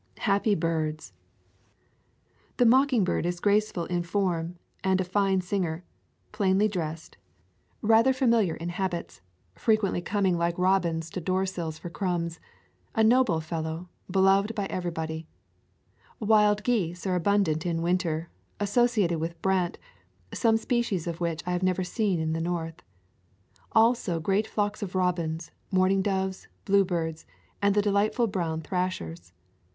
Happy birds! The mockingbird is graceful in form and a fine singer, plainly dressed, rather familiar in [ 134 ] Teasnol [eursiio ayy ul yojays sain "AA, WOT VdINOld 'AIM ANIT Cedar Keys habits, frequently coming like robins to door sills for crumbs — a noble fellow, beloved by everybody. Wild geese are abundant in winter, associated with brant, some species of which I have never seen in the North. Also great flocks of robins, mourning doves, bluebirds, and the delightful brown thrashers.